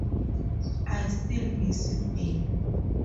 I still miss you Bill.